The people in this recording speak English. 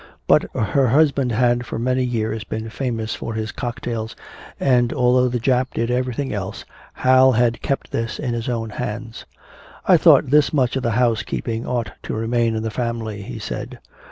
But her husband had for many years been famous for his cocktails, and although the Jap did everything else Hal had kept this in his own hands. "I thought this much of the house keeping ought to remain in the family," he said.